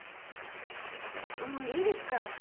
もういいですか？